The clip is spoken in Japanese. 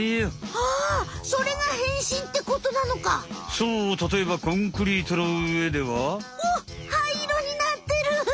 そうたとえばコンクリートのうえでは。おっはいいろになってる。